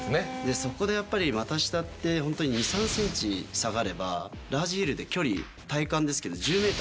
そこでやっぱり股下って、本当に２、３センチ下がれば、ラージヒルで距離、体感ですけど、えー！